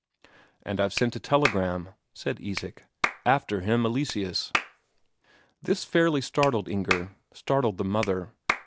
"And I've sent a telegram," said Isak, "after him Eleseus." This fairly startled Inger; startled the mother.